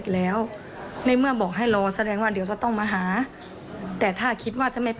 ส่วนตัวเราเราคิดว่ามันเป็นการเปิดทางให้น้องอยู่คนเดียวใช่ไหม